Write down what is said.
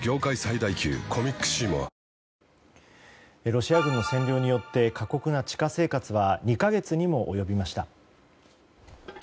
ロシア軍の占領によって過酷な地下生活は２か月にも及びました。